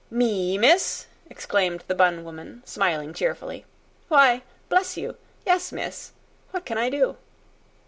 "Me, miss!" exclaimed the bun woman, smiling cheerfully. "Why, bless you! Yes, miss. What can I do?"